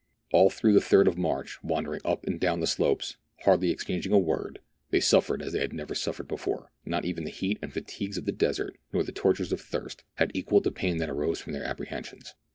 All through the 3rd of March, wandering up and down the slopes, hardly exchanging a word, they suffered as they had never suffered before ; not even the heat and fatigues of the desert, nor the tortures of thirst, had equalled the pain that arose Irom their apprehensions.